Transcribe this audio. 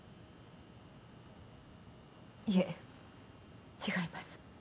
いえ違います。